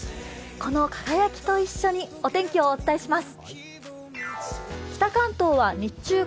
この輝きと一緒にお天気をお伝えします。